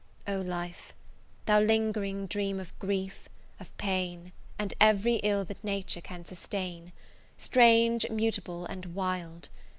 O LIFE! thou lingering dream of grief, of pain, And every ill that Nature can sustain, Strange, mutable, and wild!